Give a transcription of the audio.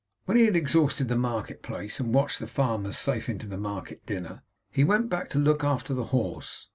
When he had exhausted the market place, and watched the farmers safe into the market dinner, he went back to look after the horse.